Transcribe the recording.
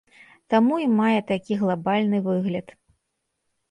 Таму і мае такі глабальны выгляд.